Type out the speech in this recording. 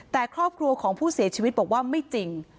แต่ครอบครัวของผู้เสียชีวิตบอกว่าไม่จริง